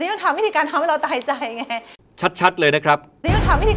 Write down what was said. นี่มันทำวิธีการทำให้เราตายใจไง